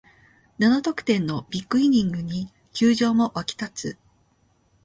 七得点のビッグイニングに球場も沸き立つ